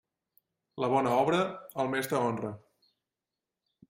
La bona obra, al mestre honra.